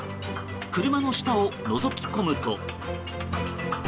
車の下をのぞき込むと。